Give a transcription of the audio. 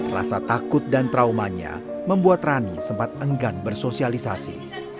rasa takut dan traumanya membuat rani sempat enggan bersosialisasi